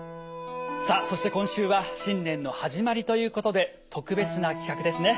さあそして今週は新年の始まりということで特別な企画ですね。